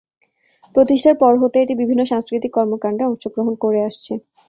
প্রতিষ্ঠার পর হতেই এটি বিভিন্ন সাংস্কৃতিক কর্মকাণ্ডে অংশগ্রহণ করে আসছে।